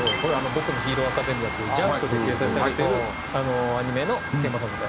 『僕のヒーローアカデミア』という『ジャンプ』で掲載されているアニメのテーマソングで。